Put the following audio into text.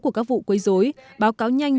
của các vụ quấy rối báo cáo nhanh